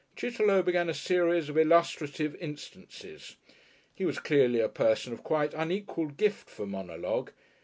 Chitterlow began a series of illustrative instances. He was clearly a person of quite unequalled gift for monologue.